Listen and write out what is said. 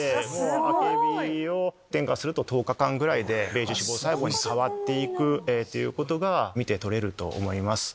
あけびを添加すると１０日間ぐらいでベージュ脂肪細胞に変わってくことが見て取れると思います。